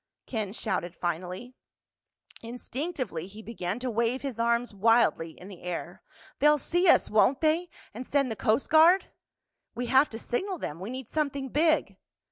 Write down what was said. Ken shouted finally. Instinctively he began to wave his arms wildly in the air. "They'll see us, won't they? And send the Coast Guard?" "We have to signal them—we need something big."